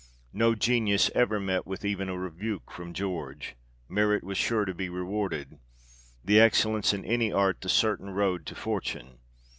No genius ever met with even a rebuke from George; merit was sure to be rewarded ; the excellence in any art the certain road to fortune.